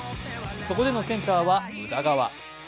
そこでのセンターは宇田川。